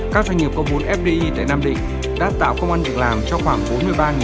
các doanh nghiệp có vốn fdi tại nam định đã tạo công an việc làm cho khoảng bốn mươi ba năm trăm linh lao động